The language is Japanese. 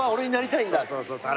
そうそうそう。